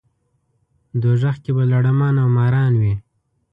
دوزخ کې به لړمان او ماران وي.